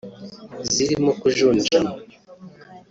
zirimo kujunjama